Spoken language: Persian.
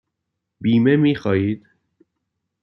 بیمه می خواهید؟